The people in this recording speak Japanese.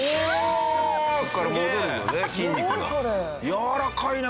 やわらかいね